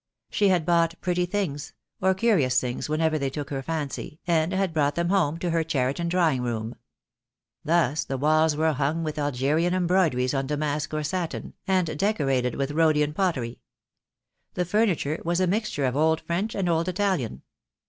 She had bought pretty things, or curious things wherever they took her fancy, and had brought them home to her Cheriton drawing room. Thus the walls were hung with Algerian em broideries on damask or satin, and decorated with Rhodian pottery. The furniture was a mixture of old French and old Italian.